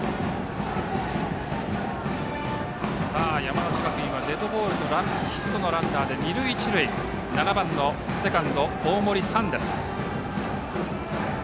さあ、山梨学院はデッドボールとヒットのランナーで二塁一塁でバッターは７番のセカンド、大森燦です。